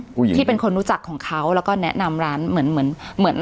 ผู้หญิงที่เป็นคนรู้จักของเขาแล้วก็แนะนำร้านเหมือนเหมือนเหมือน